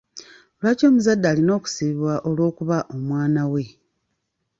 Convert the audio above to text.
Lwaki omuzadde alina okusibibwa olw'okukuba omwana we?